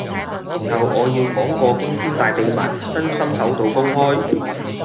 然後我要講個驚天大秘密，真心首度公開